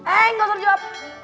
eh gak usah jawab